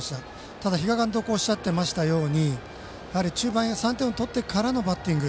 ただ、比嘉監督もおっしゃっていましたように中盤、３点を取ってからのバッティング。